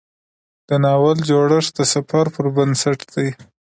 د ناول جوړښت د سفر پر بنسټ دی.